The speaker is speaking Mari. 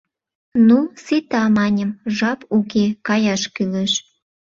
— Ну, сита, — маньым, — жап уке, каяш кӱлеш!